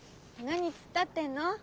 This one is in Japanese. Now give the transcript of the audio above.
何突っ立ってんの？